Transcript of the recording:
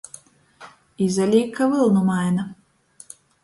Izalīk, ka vylnu maina.